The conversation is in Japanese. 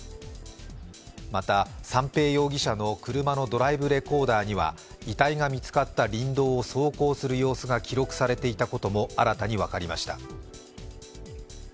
また、三瓶容疑者の車のドライブレコーダーには遺体が見つかった林道を走行する様子が記録されていたことも新たに分かりました。